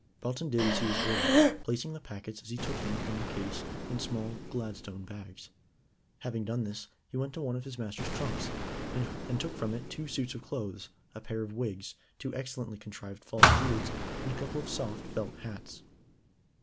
Belton did as he was ordered, placing the packets as he took them from the case in small Gladstone bags. Having done this, he went to one of his master's trunks, and took from it two suits of clothes, a pair of wigs, two excellently contrived false beards, and a couple of soft felt hats.